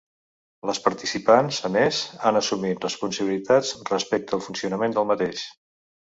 Les participants, a més, han assumit responsabilitats respecte al funcionament del mateix.